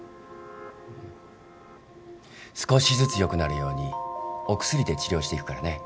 少しずつよくなるようにお薬で治療していくからね。